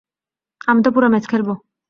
আমি তো পুরো ম্যাচ খেলব।